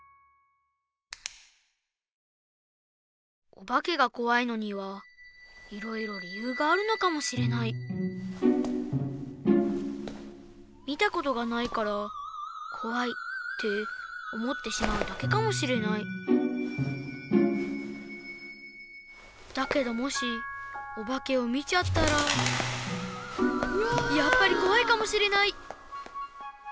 おばけがこわいのにはいろいろりゆうがあるのかもしれないみたことがないから「こわい」っておもってしまうだけかもしれないだけどもしおばけをみちゃったらやっぱりこわいかもしれない！